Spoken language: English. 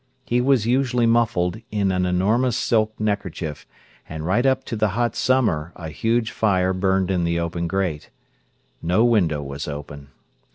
He was usually muffled in an enormous silk neckerchief, and right up to the hot summer a huge fire burned in the open grate. No window was open.